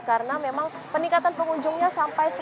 karena memang peningkatan pengunjungnya sampai seratus